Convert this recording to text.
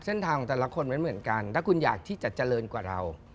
เส้นทางของแต่ละคนไม่เหมือนกันถ้าคุณอยากที่จะเจริญกว่าเรา